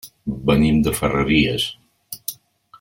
Venim de Ferreries.